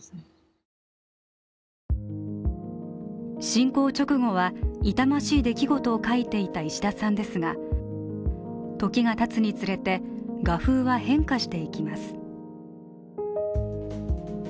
侵攻直後は痛ましい出来事を描いていた石田さんですが時がたつにつれて画風は変化していきます。